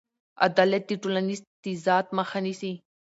عدالت د ټولنیز تضاد مخه نیسي.